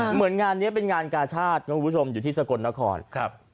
เหมือนงานนี้เป็นงานกาชาตินะคุณผู้ชมอยู่ที่สกลนครครับ